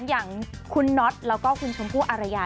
อย่างคุณน็อตแล้วก็คุณชมพู่อารยา